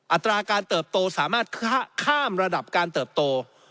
อัตราการเติบโตสามารถข้ามระดับการเติบโต